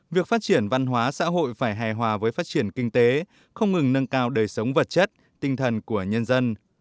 việc phát triển văn hóa xã hội phải hài hòa với phát triển kinh tế không ngừng nâng cao đời sống vật chất tinh thần của nhân dân